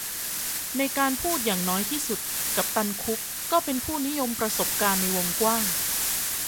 ในการพูดอย่างน้อยที่สุดกัปตันคุกก็เป็นผู้นิยมประสบการณ์ในวงกว้าง